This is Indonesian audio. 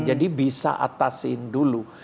jadi bisa atasin dulu